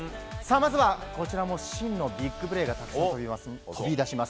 まずは、こちらも真のビッグプレーがたくさん飛び出します。